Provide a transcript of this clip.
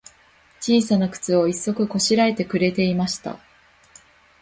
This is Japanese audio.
ちいさなくつを、一足こしらえてくれていました。